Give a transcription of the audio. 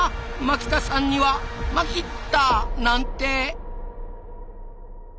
牧田さんにはまきったなんて。